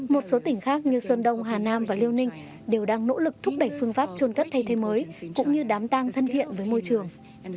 một số tỉnh khác như sơn đông hà nam và liêu ninh đều đang nỗ lực thúc đẩy phương pháp trôn cất thay thế mới cũng như đám tang thân thiện với môi trường